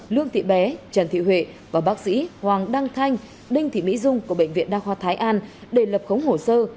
lương thị bé trần thị huệ và bác sĩ hoàng đăng thanh đinh thị mỹ dung của bệnh viện đa khoa thái an để lập khống hồ sơ